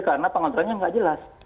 karena pengaturannya nggak jelas